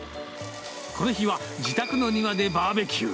この日は、自宅の庭でバーベキュー。